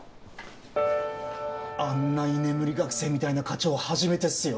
あんな居眠り学生みたいな課長初めてっすよ。